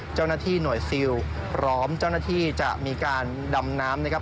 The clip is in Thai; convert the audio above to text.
เจ้าหน้าที่หน่วยซิลพร้อมเจ้าหน้าที่จะมีการดำน้ำนะครับ